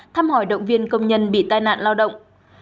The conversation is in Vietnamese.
thăm hỏi động viên công nhân bị tai nạn lao động